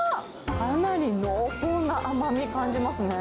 かなり濃厚な甘み感じますね。